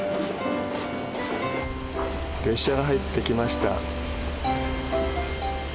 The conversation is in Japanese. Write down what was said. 列車が入ってきました。